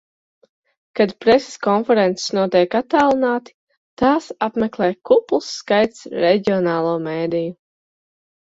Kad preses konferences notiek attālināti, tās apmeklē kupls skaits reģionālo mediju.